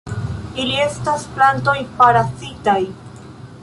Ili estas plantoj parazitaj.